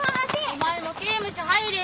お前も刑務所入れよ！